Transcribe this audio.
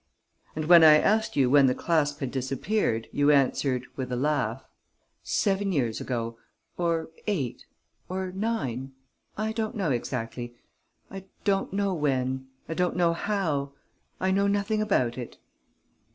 "And, when I asked you when the clasp had disappeared, you answered, with a laugh: "'Seven years ago ... or eight ... or nine: I don't know exactly.... I don't know when ... I don't know how ... I know nothing about it....'